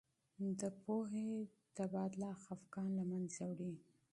د پوهې تبادله خفګان له منځه وړي.